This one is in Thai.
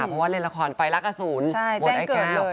เพราะว่าเล่นละครไฟรักอสูรบทไอ้แก้ว